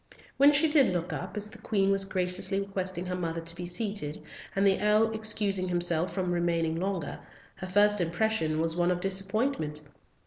When she did look up, as the Queen was graciously requesting her mother to be seated, and the Earl excusing himself from remaining longer, her first impression was one of disappointment.